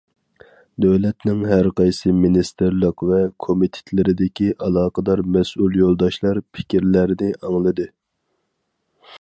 دۆلەتنىڭ ھەر قايسى مىنىستىرلىق ۋە كومىتېتلىرىدىكى ئالاقىدار مەسئۇل يولداشلار پىكىرلەرنى ئاڭلىدى.